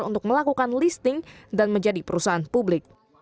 untuk melakukan listing dan menjadi perusahaan publik